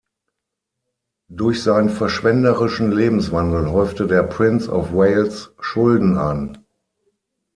Durch seinen verschwenderischen Lebenswandel häufte der Prince of Wales Schulden an.